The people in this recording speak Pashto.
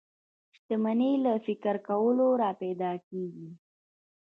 شتمني له فکر کولو را پيدا کېږي.